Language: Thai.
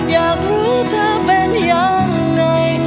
อยากรู้เธอเป็นยังไง